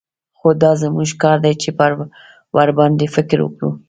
خو دا زموږ کار دى چې ورباندې فکر وکړو.